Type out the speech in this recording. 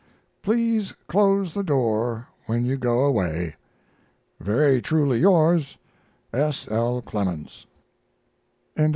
Please close the door when you go away! Very truly yours, S. L. CLEMENS. CCLXXIII.